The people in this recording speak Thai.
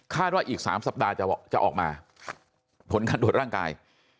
ว่าอีก๓สัปดาห์จะออกมาผลการตรวจร่างกาย